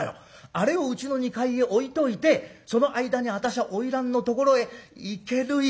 あれをうちの２階へ置いといてその間に私は花魁のところへ行ける行ける！